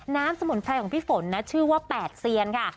สมุนไพรของพี่ฝนนะชื่อว่า๘เซียนค่ะ